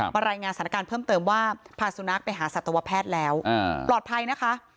รายงานสถานการณ์เพิ่มเติมว่าพาสุนัขไปหาสัตวแพทย์แล้วปลอดภัยนะคะ